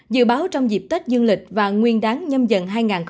dự báo trong dịp tết dương lịch và nguyên đáng nhâm dận hai nghìn hai mươi hai